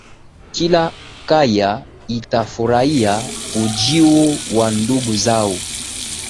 kila kaya itafurahia ujio wa ndugu zao